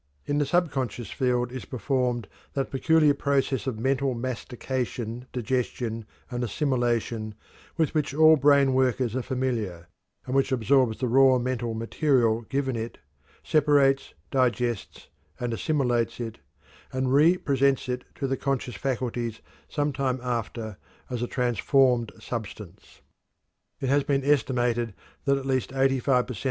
In the subconscious field is performed that peculiar process of mental mastication, digestion, and assimilation with which all brain workers are familiar, and which absorbs the raw mental material given it, separates, digests, and assimilates it, and re presents it to the conscious faculties sometime after as a transformed substance. It has been estimated that at least eighty five per cent.